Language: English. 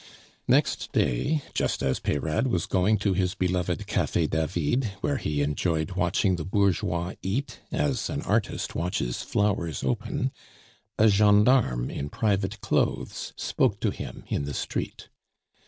Next day, just as Peyrade was going to his beloved Cafe David, where he enjoyed watching the bourgeois eat, as an artist watches flowers open, a gendarme in private clothes spoke to him in the street.